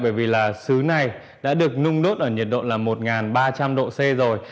bởi vì là xứ này đã được nung đốt ở nhiệt độ là một ba trăm linh độ c rồi